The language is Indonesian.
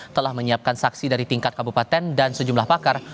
telah menyiapkan saksi dari tingkat kabupaten dan sejumlah pakar